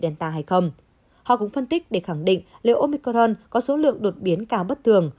ta hay không họ cũng phân tích để khẳng định liệu omicron có số lượng đột biến cao bất thường